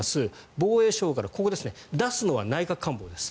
防衛省から、ここですね出すのは内閣官房です。